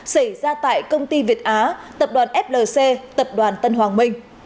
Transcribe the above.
xảy ra tại công ty việt á tập đoàn flc tập đoàn tân hoàng minh